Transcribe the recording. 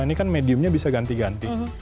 ini kan mediumnya bisa ganti ganti